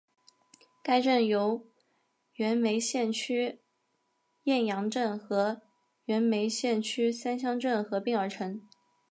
该镇由原梅县区雁洋镇和原梅县区三乡镇合并而成。